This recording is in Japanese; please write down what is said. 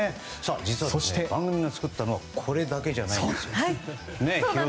実は番組が作ったのはこれだけじゃないんですよ。